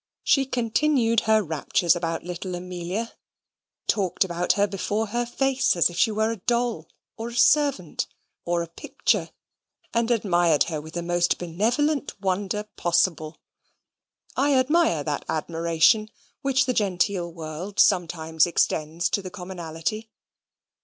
She continued her raptures about little Amelia, talked about her before her face as if she were a doll, or a servant, or a picture, and admired her with the most benevolent wonder possible. I admire that admiration which the genteel world sometimes extends to the commonalty.